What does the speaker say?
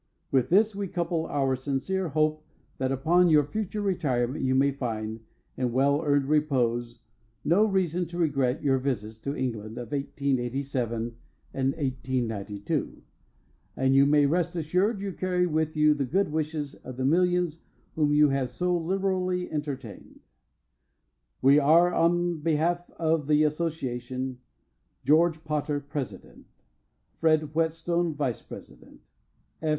With this we couple our sincere hope that upon your future retirement you may find, in well earned repose, no reason to regret your visits to England of 1887 and 1892; and you may rest assured you carry with you the good wishes of the millions whom you have so liberally entertained. We are, on behalf of the association, GEORGE POTTER, President, FRED WHETSTONE, Vice President, F.